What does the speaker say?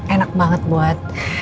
enak banget buat